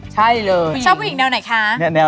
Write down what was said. ใช่เลยคุณชอบผู้หญิงแนวไหนคะ